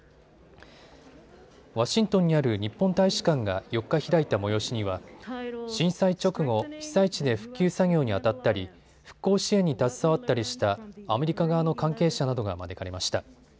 ワシントンにある日本大使館が４日開いた催しには震災直後、被災地で復旧作業にあたったり復興支援に携わったりしたアメリカ側の関係者などが招かれました。